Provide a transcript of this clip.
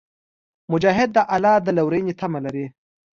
مجاهد د الله د لورینې تمه لري.